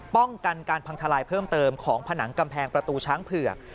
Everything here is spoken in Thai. ป้องกันการพังทลายเพิ่มเติมของผนังกำแพงประตูช้างเผือก